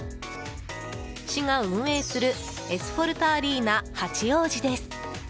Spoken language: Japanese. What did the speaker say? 市が運営するエスフォルタアリーナ八王子です。